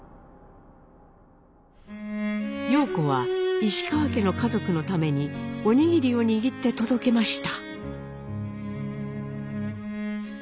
様子は石川家の家族のためにお握りを握って届けました。